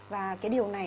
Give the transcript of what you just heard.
và cái điều này